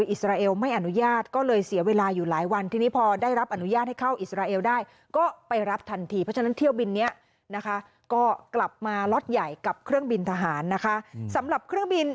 อิสราเอลได้ก็ไปรับทันทีเพราะฉะนั้นเที่ยวบินนี้นะคะก็กลับมาล็อตใหญ่กับเครื่องบินทหารนะคะสำหรับเครื่องบิน